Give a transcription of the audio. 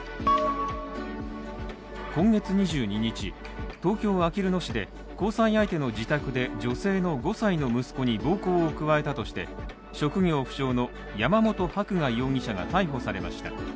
今月２２日、東京・あきる野市で交際相手の自宅で女性の５歳の息子に暴行を加えたとして職業不詳の山本伯画容疑者が逮捕されました。